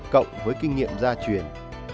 cộng với kinh nghiệm gia truyền